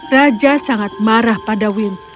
raja sangat marah pada wim